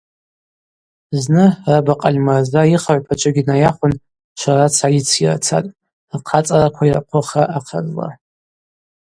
Зны раба Къальмырза йыхыгӏвпачвагьи найахвын шварацра йыцйырцатӏ, рхъацӏараква йырхъвыхра ахъазла.